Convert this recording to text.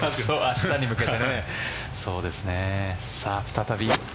明日に向けて。